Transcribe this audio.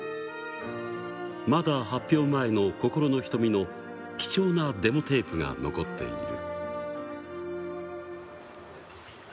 まだ発表前の心の瞳の貴重なデモテープが残っている。